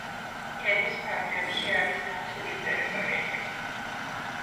ქედის ფარგლებში არის დაცული ტერიტორიები.